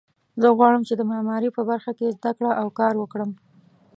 زه غواړم چې د معماري په برخه کې زده کړه او کار وکړم